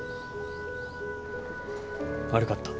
悪かった。